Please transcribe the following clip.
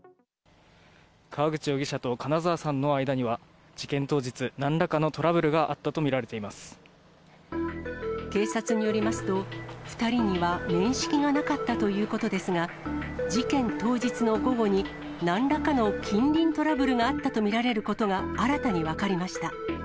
川口容疑者と金沢さんの間には、事件当日、なんらかのトラブ警察によりますと、２人には面識がなかったということですが、事件当日の午後に、なんらかの近隣トラブルがあったと見られることが新たに分かりました。